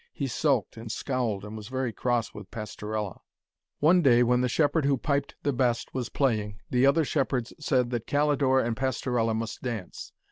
He sulked and scowled and was very cross with Pastorella. One day when the shepherd who piped the best was playing, the other shepherds said that Calidore and Pastorella must dance.